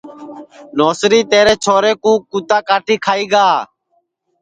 نوسری تیرے چھورے کُو کُوتا کاٹی کھائی گا